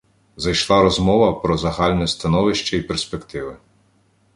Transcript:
Зайшла розмова про загальне становище й перспективи.